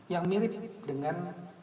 yang mirip dengan